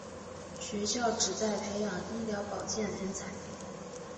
学校旨在培养医疗保健人才。